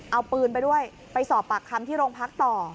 เอาปืนไปด้วยไปสอบปากคำที่โรงพักต่อ